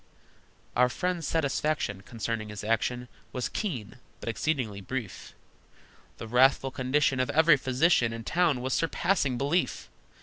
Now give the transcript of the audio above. Our friend's satisfaction Concerning his action Was keen, but exceedingly brief. The wrathful condition Of every physician In town was surpassing belief!